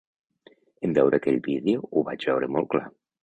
En veure aquell vídeo ho vaig veure molt clar.